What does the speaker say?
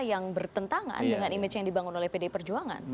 yang bertentangan dengan image yang dibangun oleh pdi perjuangan